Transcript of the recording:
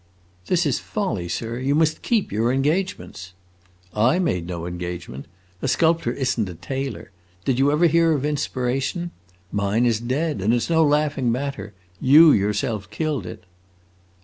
"This is folly, sir. You must keep your engagements." "I made no engagement. A sculptor is n't a tailor. Did you ever hear of inspiration? Mine is dead! And it 's no laughing matter. You yourself killed it."